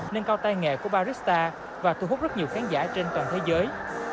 nâng cao tay nghề của barista và thu hút rất nhiều khán giả trên toàn thế giới